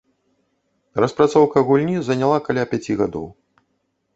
Распрацоўка гульні заняла каля пяці гадоў.